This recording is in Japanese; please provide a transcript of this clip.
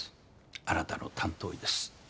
あなたの担当医です。